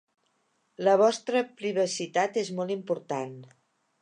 La vostra privacitat és molt important.